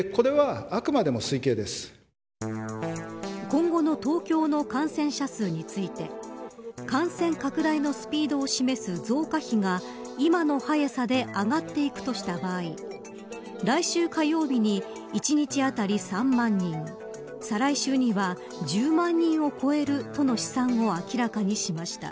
今後の東京の感染者数について感染拡大のスピードを示す増加比が、今の速さで上がっていくとした場合来週火曜日に一日当たり３万人再来週には１０万人を超えるとの試算を明らかにしました。